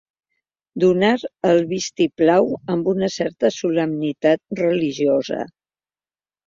Donar el vist-i-plau amb una certa solemnitat religiosa.